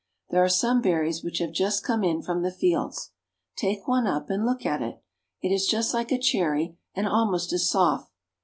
There are some berries which have just come in from the fields. Take one up and look at it. It is just like a cherry, and almost as soft.